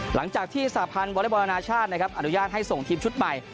หลังจากที่สาพันธ์วอเล็กบอลอนาชาตินะครับอนุญาตให้ส่งทีมชุดใหม่